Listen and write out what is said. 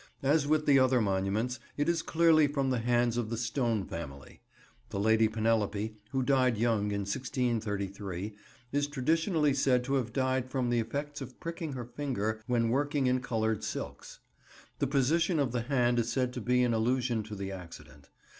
As with the other monuments, it is clearly from the hands of the Stone family. The Lady Penelope, who died young in 1633, is traditionally said to have died from the effects of pricking her finger when working in coloured silks. The position of the hand is said to be in allusion to the accident.